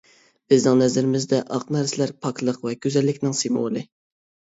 بىزنىڭ نەزىرىمىزدە ئاق نەرسىلەر پاكلىق ۋە گۈزەللىكنىڭ سىمۋولى!